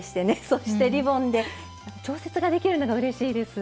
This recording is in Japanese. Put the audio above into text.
そしてリボンで調節ができるのがうれしいです。